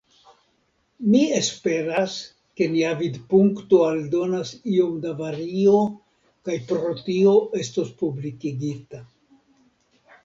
Mi esperas, ke nia vidpunkto aldonas iom da vario kaj pro tio estos publikigita.